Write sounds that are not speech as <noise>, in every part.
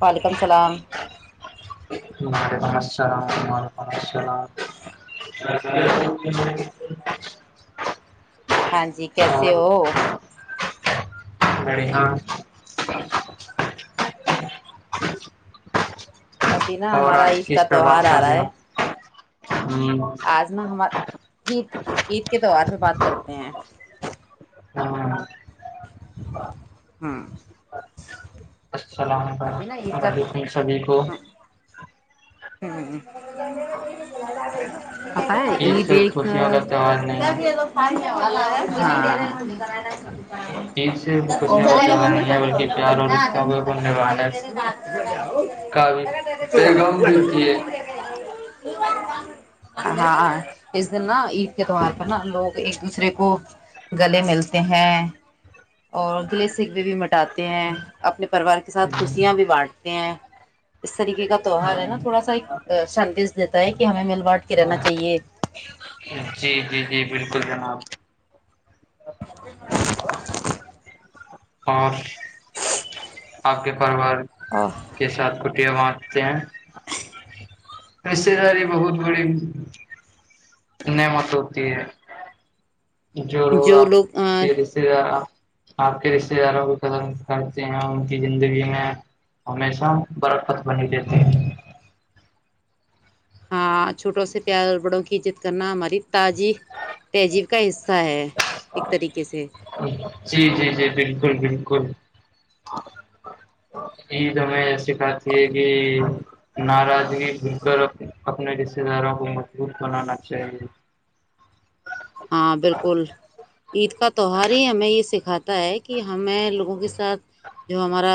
وعلیکم السلام <inaudible> ہاں جی کیسے ہو بڑ ہاں ابھی نا ہمارا عید کا پہ تیوہار بات آ کر رہا رہے ہے ہو آج نا ہمار عید عید کے تہوار پ بات کرتے ہیں ہاں ہوں السلام ابھی نا و عید کا ولیکم سبھی کو ہوں پت ہے یہ عید صرف دیک خوشیوں ھم کا تہوار نہیں ہے عید صرف خوشیوں کا تہوار نہیں ہے بلکہ پیار اور رشتوں کو نبھانے کا بھی پیغام چلا دیتی ہے ہاں اس دن نا عید کے تہوار پر نا لوگ ایک دوسرے کو گلے ملتے ہیں اور گلے سیکوے بھی مٹاتے ہیں اپنے پریوار کے ساتھ خوشیاں بھی بانٹتے ہیں اس طریقے کا تہوہار ہے تھوڑا سا ایک سندش دیتا ہے کہ ہمیں مل بانٹ کے رہنا چاہیے جی جی جی بالکل جناب <inaudible> اور آپ کے پریوار اور کے ساتھ کچھ باتتے ہیں رتے داری بہت بڑی نعمت ہوتی ہے جوور ہوگا جو لوگ تزے سے رہا آپ کے رشتے داروں کو ختم کرتے ہیں ان کی زندگی میں ہمیشہ برکت بنی دیتے ہیں ہاں چھوٹوں سے پیار اور بڑوں کی عزت کرنا ہماری تازی تہذیب کا حصہ ہے ایک طریقے سے جی جی جی بالکل بالکل ای ت میں کھتی ہے کہ ناراضگی مل کر اپنے رشتے داروں کو مضبوط بنانا چاہیے ہاں بالکل عید کا تہوار ہی ہمیں یہ سکھاتا ہے کہ ہمیں لوگوں کے ساتھ جو ہمارا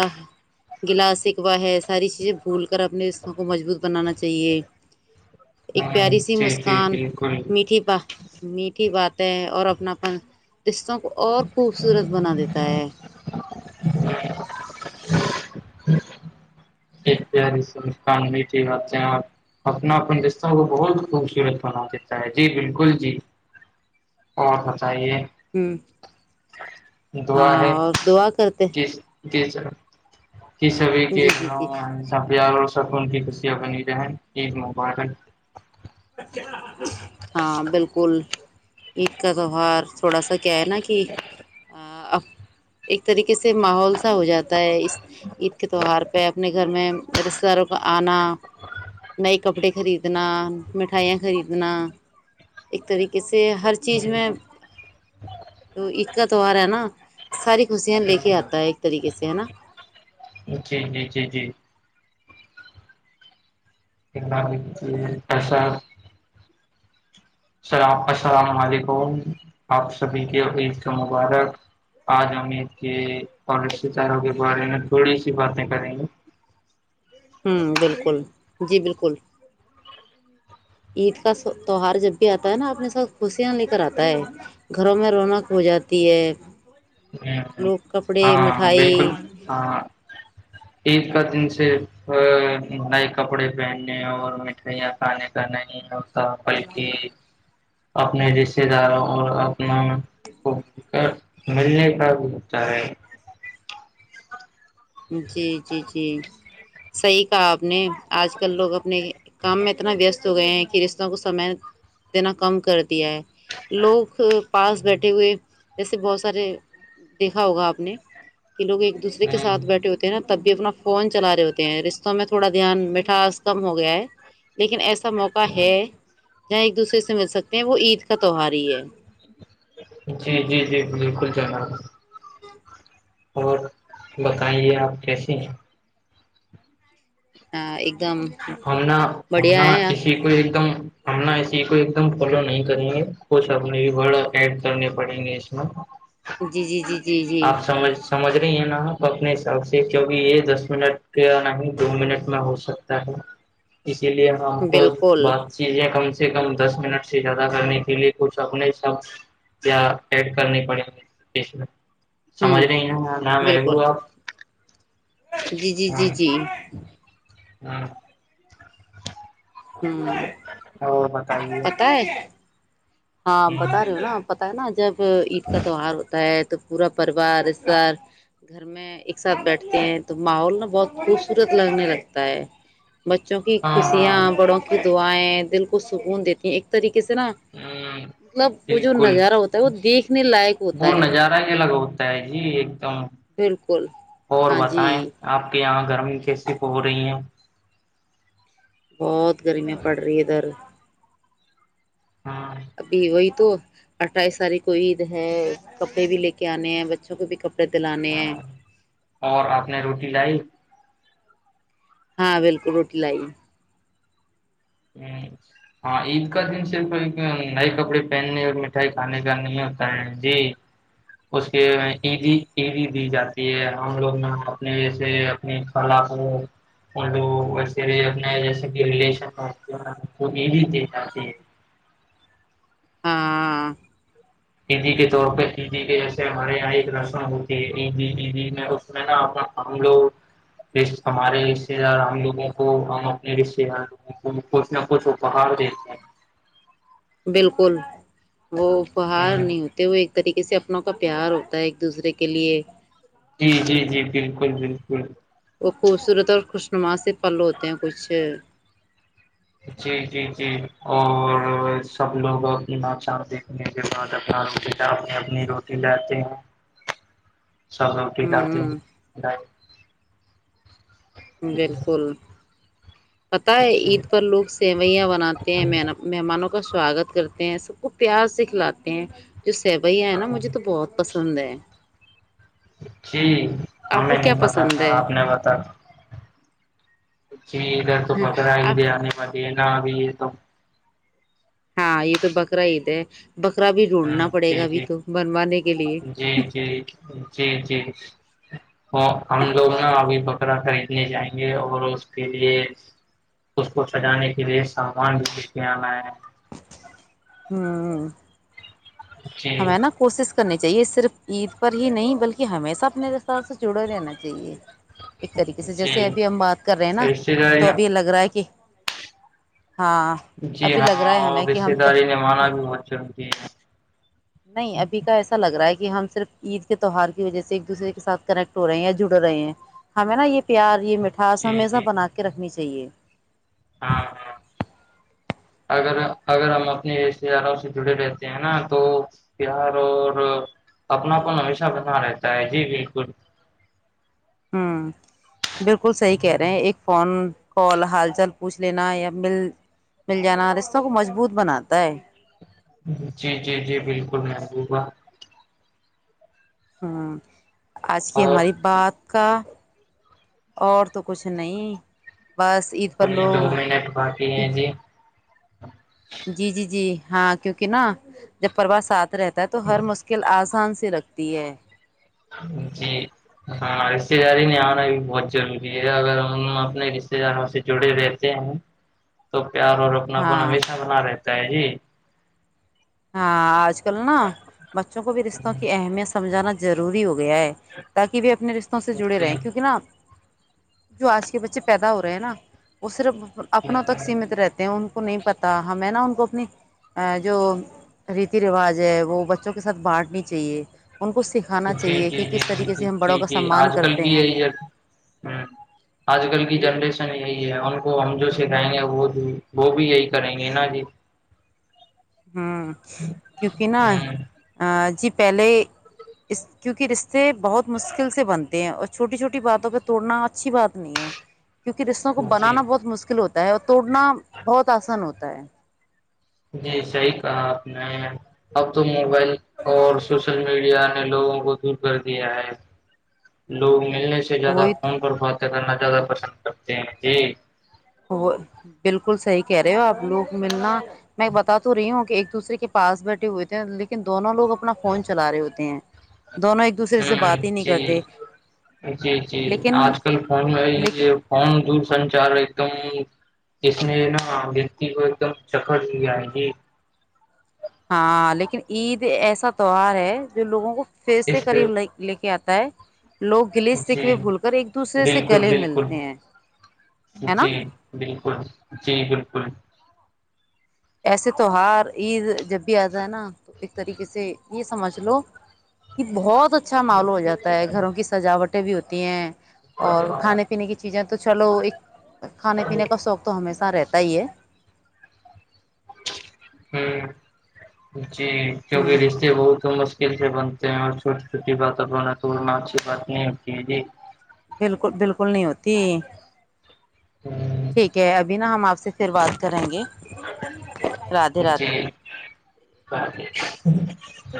گلا سکوا ہے ساری چیزیں بھول کر اپنے حوں کو مضبوط بنانا چاہیے ایک ہ پیاری سی جی جی مسکان بالکل میٹھی پا می کی باتیں ہے اور اپنا اپن رشتوں کو اور خوبصورت بنا دیتا ہے ایک پیاری سےان میھی بات ہیں اپنا اپن رشہ کو بہت خوبصورت بنا دیتا ہے جی بالکل جی بہتچھا ہ ہاں اور دععا کرتے جی جر ک سبھی جی جی جی کینوں پیار اور سب ان کی خوشیاں بنی رہیں عید مبارن ہاں بالکل عید کا جوہار تھوڑا سا کیا ہے نا کہ اب ایک طریقے سے ماحول سا ہو جاتا ہے اس عید کے تہوار پہ اپنے گھر میں رشتے داروں کو آنا نئے کپڑے خریدنا مٹھائیاں خریدنا ایک طریقے سے ہر چیز میں ایک کا تیوار ہے نا ساری خوشیاں لے کے آتا ہے ایک طریقے سے ہے نا ج جی جی جی جی سا اللام السلام علیکم آپ سبھی کے ع عید کے مبارک آج ہممیید کے کالج سے چار ہوگے ب رہے ن تھوڑی سی باتیں کریں گے ہوں بالکل جی بالکل عید کا تیوار جب بھی آتا ہے نا اپنے ساتھ خوشیاں لے کر آتا ہے گھروں میں رونق ہو جاتی ہے ہ ہ لوگ کپڑے ہاں مٹھائی بالکل ہاں ہاں عید کا دن صرف نئے کپڑے پہننے اور مٹھائیاں کھانے کا نہیں ہ بلکہ اپنے رشتے داروں اور اپنا کو کر ملنے کاتاار جی جی جی صحیح کہا آپ نے آج کل لوگ اب نہیں کام میں اتنا وست س گئے ہیں کہ رشتوں کو سمے دینا کم کرتے دیا ہے لوگ پاس بیٹھے ہوئے جیسے بہت سارے دیکھا ہوگا آپ نے کہ لوگ ایک دوسرے کے ہ ساتھ تے ہیں نا تب بھی اپنا فون چلا رہے ہوتے ہیں رشتوں میں تھوڑا دھیان مٹھاس کم ہو گیا ہے لیکن ایسا موقع ہے ج ایک دوسرے سے مل سکتے ہیں وہ عید کا تہوار ہی ہے جی جی جی <unintelligible> <unintelligible> اور بتائیے آپ کیسے ہیں ہاں ایک دم ہمنا بڑھیا ہمنا ہے اسسی کوئی ایک دم ہم ن اسی کو ایک دم فالو نہیں کریں گے کچھ اپنےورڈ ایڈ کرنے پڑیں گے اس میں جی جی جی جی جی آپ سمجھ سمجھ رہی ہیں نا اپنے حساب سے کیوںکہ یہ دس منٹ یا نہیں دو منٹ میں ہو سکتا ت اسی لیے ہم کو بالکل بہت چیزیں کم سے کم دس منٹ سے زیادہ کرنے کے لیے کچھ اپنے سب ایڈ کرنی پڑیں سمجھ ہوں نہیں نا ن بالکل محبو آب جی جی جی جی ہوں ہ پت ہے ہاں ہ بتا رہے ہو نا پ نا جب عید کا تیوار ہوتا ہے تو پورا پریوار رشتار گھر میں ایک ساتھ بیٹھتے ہیں تو ماحول نا بہت خوبصورت لگنے لگتا ہے بچوں کی ہاں خوشیاں ہاں بڑوں کی دعائیں دل کو سکون دیتی ہیں ایک طریقے سے نا ہ مطلب وہ جو بالکل نظارہ ہوتا ہے وہ دیکھنے لائق ہوتا ہے س جی ایک تو بالکل اور ہاں جی بتائیں آپ کے یہاں گرمی کیسی ہو رہی ہے بہت گرمیاں پڑ رہی ادھر ہاں ابھی وہی تو اٹھائی ساری کوئی عید ہے کپڑے بھی لے کے آنے ہیں بچوں کو بھی ک ہاں اور آپ نے روٹی لائی ہاں بالکل روٹی لائی ہ ہاں عید کا دن صرف ایک نئے کپڑے پہننے اور مٹھائی کھانے جانے میں ہوتا ہے جی اس کے عیدی عیدی دی جاتی ہے ہم لوگ اپنے جیسے اپنی کلا لو وسے اپنے جیسے کہ ریلیشن کو یہ لی کہ جات ہاں عیدی کے طور پہ عیدی کے جیسے ہمارے یہاں ایک رسم ہوتی ہے عیدی عیدی میں اس میں نا ہم لوگ ہمارے رشتے دار ہم لوگوں کو ہم اپنے رشتے دار لوگوں کو کچھ نہ کچھ اپہار دیتے ہیں بالکل وہ اپہار ہیں نہیں ہوتے ہو طریقے سے اپنوں کا پیار ہوتا ہے ایک دوسرے کے لیے جی جی جی بالکل بالکل وہ خوبصورت اور خوشنما سے پل ہوتے ہیں کچھ جی جی جی اور سب لوگ اپنی ناچان دیکھنے کے بعد اپنا روٹی اپنی اپنی روٹی لے ہیں سب روٹی ڈالتے ہوں ہیں <unintelligible> بالکل پتاہ ہے جی عید پر لوگ سیوئیاں بناتے ہیں مہمانوں کا سواگت کرتے ہیں سب کو پیار سے کھلاتے ہیں جو سیبھیا ہے نا مجھے تو بہت پسند ہے جی آپ کو ہمیں کیا نہیں بتا پسند تھا ہے آپ نے بتا پچ ادھر تو پکڑاائی آپ دیا پ دے نہ بھی کتا ہاں یہ تو بکراے ہاں جی جی بنوانے کے لیے جی جی جی جی تو ہم لوگ نا ابھی بکرا خریدنے جائیں گے اور اس کے لیے اس کو سجانے کے لیے سامان بھیج کے آنا ہے ہوں جی ہمیں نا کوشش کرنے کی چاہیے صرف عید پر ہی نہیں بلکہ ہمیشہ اپنے سے جڑا رہنا چاہیے ایک طریقے سے جی جیسے ابھی ہم بات کر رہے ہیں نا رشتے داری تو ابھی لگ رہا ہے کہ ہاں جی ابھی لگ ہاں رہا ہے اور ہمیں کہ ہم رشتے تو داری نے ہاں مانا بھی بہت چلتی ہے نہیں ابھی کا ایسا لگا کہ ہم صرف عید کے تہوہار کی وجہ سے ایک دوسرے کے سھ کنیکٹ ہو رہے ہیں یا جڑ رہے ہیں ہمیں نا یہ پیار یہ مٹاس جی ہمیشہ جی بنا کے رکھنی چاہیے ہاں ہاں اگر اگر ہم اپنے رشتے داروں سے جڑے رہتے ہیں نا تو پار اور اپناپن ہمیشہ بنا رہتا ہے جی بالکل ہاں بالکل صحیح کہہ رہے ہیں ایک فون کال حال چال پوچھ لینا یا مل مل جانا رشتوں کو مضبوط بناتا ہے جی جی جی بالکل مبو گا ہاں آج کی اور ہماری بات کا اور تو کچھ نہیں بس عید پر کوئی لوگ دو کیونکہ ہاں جی جی جی ہاں کیونکہ نا جب پروا ساتھ رہتا ہے تو ہر مشکل آج آسان سے رکھتی ہے جی ہاں رشتے داری نے آنا بھی بہت ضروری ہے اگر ہم اپنے رشتے داروں سے جڑے رہتے ہیں تو پیار اور اپنا اپنا ہاں ہمیشہ بنا رہے تائے جی ہاں آج ک نکلنا بچوں کو بھی رشتوں کی اہمیت سمجھانا روری ہوگی گیا ہے تاکہ وہ اپنے رشتوں سے جڑے رہے جی کیونک نا جو آج کے بچے پیدا ہو رہے ہیں نا وہ صرف اپنوں تک سیمت رہتے ہیں ان کو نہیں پتا ہمیں نا ان کو اپنی جو ریتی رواج ہے وہ بچوں کے ساتھ بانٹنی چاہیے ان کو سکھانا جی چاہیے جی کہ جی کس جی طریقے ج سے ہم جی بڑوں کا جی سمان آج کل کرتے کی ہیں ہے یہ ہ آج کل کی جنریشن یہی ہے ان کو ہم جو سکھائیں گے وہ وہ بھی یہی کریں گے نا جی ہ کیونکہ ہ نہا ج پہلے اس کیونکہ رشتے بہت مشکل سے بنتے ہیں اور چھوٹی چھوٹی باتوں پہ توڑنا اچھی بات نہیں ہے کیونکہ رشتوں کو جی بنانا بہت مشکل ہوتا ہے اور توڑنا بہت آسان ہوتا ہے ت <unintelligible> جی صحیح کہا آپ نے اب تو م موبائل اور سوشل میڈیا لوگوں کو دور کر دیا ہے لوگوں ملنے سے زیادہ وہی فون پر باتیں کرنا زیادہ پسند کرتے ہیں جی وہ بالکل صحیح کہہ رہے ہو آپ لوگ ملنا میں بتاات تو رہی ہوں کہ ایک دوسرے کے پاس بیٹھے ہوئے تھے لیکن دونوں لوگ اپنا فون چلا رہے ہوتے ہیں دونوں ایک دوسرے سے ہ بات ہی نہیں جی کرتے جی جی لیکن آج کل فون میں لیکن فون دور سنچار ایک دم جس میں نا دیکتی کو ایک دم چکر ل آئے گی ہاں لیکن عید ایسا تہوار ہے جو لوگوں کو پ سے اس پہ قریب ل لے کے آتا ت <unintelligible> جی سے بالکل گلے بالکل ملتے ہیں ہے نا جی بالکل جی بالکل ایسے تیوار عید جب بھی آتا ہے نا تو ایک طریقے سے یہ سمجھ لو کہ بہت اچھا اچھا محول ہواتا ہے گھروں کی سجاوٹ ٹیں بھی ہوتی ہیں اور کھانے پینے کی چیزیں تو چلو ایک کھانے پینے کا شوق تو ہمیشہ رہتا ہی ہے ہوں <unintelligible> جی کیوںکہ ہوں رشتے بہت م سے بنتے ہیں اور چوٹی چھوٹی باتور تو میں اچھی بات نہیں ہوتی ہے جی بالکل بالکل نہیں ہوتی ٹھیک ہے ابھی نا ہم آپ سے پھر بات کریں گ راتے رات جی جی <unintelligible>